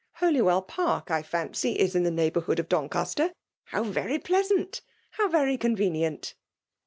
Holywell Park, I fancy, is in the neighbourhood of Doncaster? — How very pleasant ! how very convenient